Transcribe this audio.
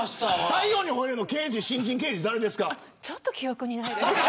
太陽にほえろ！の新人刑事誰ですか。